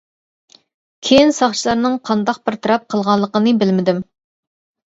كىيىن ساقچىلارنىڭ قانداق بىر تەرەپ قىلغانلىقنى بىلمىدىم.